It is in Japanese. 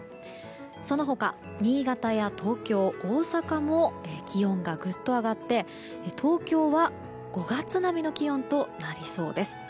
その他、新潟や東京、大阪も気温がぐっと上がって東京は５月並みの気温となりそうです。